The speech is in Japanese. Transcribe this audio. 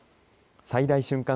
最大瞬間